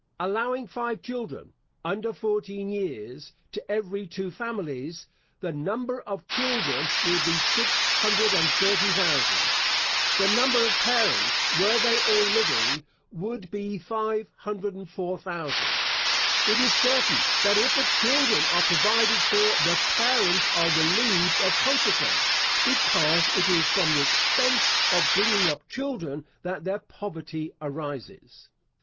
Allowing five children (under fourteen years) to every two families, The number of children will be 630,000 The number of parents, were they all living, would be 504,000 It is certain, that if the children are provided for, the parents are relieved of consequence, because it is from the expense of bringing up children that their poverty arises.